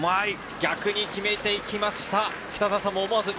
逆に決めていきました！